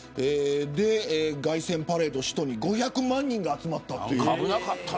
凱旋パレード、首都に５００万人が集まった。